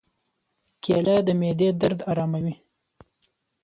کېله د معدې درد آراموي.